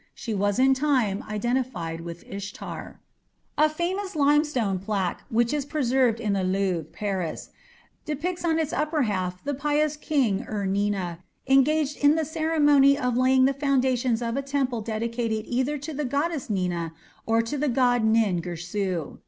She was in time identified with Ishtar. A famous limestone plaque, which is preserved in the Louvre, Paris, depicts on its upper half the pious King Ur Nina engaged in the ceremony of laying the foundations of a temple dedicated either to the goddess Nina or to the god Nin Girsu.